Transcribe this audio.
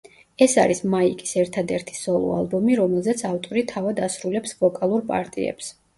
ეს არის მაიკის ერთადერთი სოლო ალბომი, რომელზეც ავტორი თავად ასრულებს ვოკალურ პარტიებს.